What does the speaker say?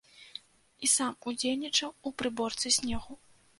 І сам удзельнічаў у прыборцы снегу.